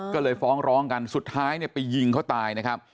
ก็เลยฟ้องร้องกันสุดท้ายเนี่ยไปยิงเขาตายนะครับ